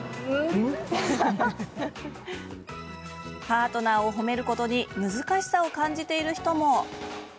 パートナーを褒めることに難しさを感じている人も。